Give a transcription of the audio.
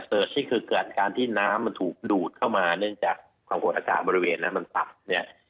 เสิร์ชที่คือเกิดการที่น้ำมันถูกดูดเข้ามาเนื่องจากความโหกอากาศบริเวณน้ำมันต่ำ